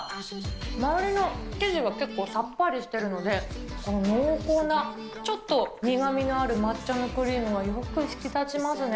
周りの生地が結構さっぱりしてるので、濃厚な、ちょっと苦みのある抹茶のクリームがよく引き立ちますね。